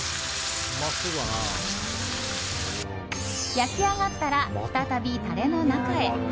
焼きあがったら再びタレの中へ。